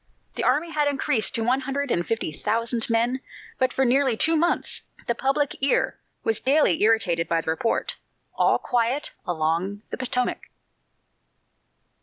The army had increased to one hundred and fifty thousand men, but for nearly two months the public ear was daily irritated by the report, "All quiet along the Potomac."